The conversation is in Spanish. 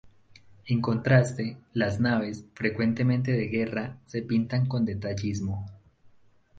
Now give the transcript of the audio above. En contraste, las naves, frecuentemente de guerra, se pintan con detallismo.